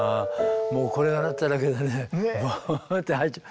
もうこれが鳴っただけでねぼって入っちゃう。